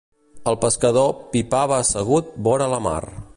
El pescador pipava assegut vora la mar.